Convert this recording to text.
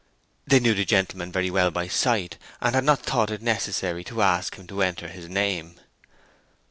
They knew the gentleman very well by sight, and had not thought it necessary to ask him to enter his name.